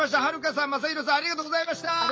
はるかさんまさひろさんありがとうございました。